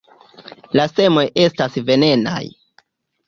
La semoj estas venenaj.